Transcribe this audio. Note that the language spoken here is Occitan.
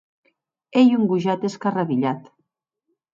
Ei un gojat escarrabilhat.